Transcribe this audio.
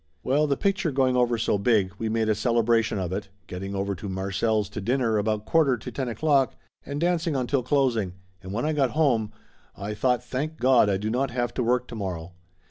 Well, the picture going over so big, we made a cele bration of it, getting over to Marcel's to dinner about quarter to ten o'clock, and dancing until closing, and when I got home I thought thank Gawd I do not have to work to morrow.